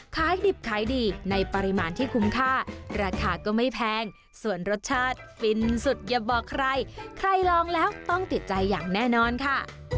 ขายดิบขายดีในปริมาณที่คุ้มค่าราคาก็ไม่แพงส่วนรสชาติฟินสุดอย่าบอกใครใครลองแล้วต้องติดใจอย่างแน่นอนค่ะ